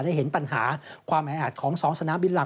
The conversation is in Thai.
ได้เห็นปัญหาความแออัดของ๒สนามบินหลัก